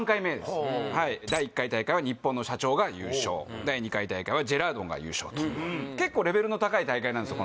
はい第１回大会はニッポンの社長が優勝第２回大会はジェラードンが優勝と結構レベルの高い大会なんですよ